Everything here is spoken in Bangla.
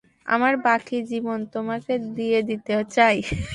আমার বাকী জীবন তোমাকে দিয়ে দিতে চাই।